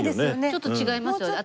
ちょっと違いますよね。